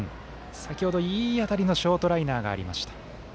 先ほどいい当たりのショートライナーがありました。